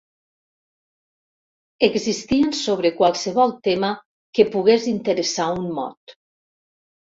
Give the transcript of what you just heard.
Existien sobre qualssevol tema que pogués interessar un mod.